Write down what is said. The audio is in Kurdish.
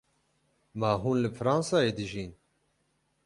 Ma hûn li Fransayê dijîn?